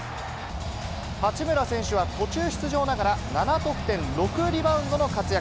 八村選手は途中出場ながら、７得点６リバウンドの活躍。